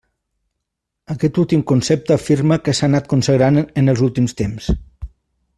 Aquest últim concepte afirma que s'ha anat consagrant en els últims temps.